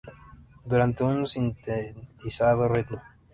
Durante un sintetizado ritmo.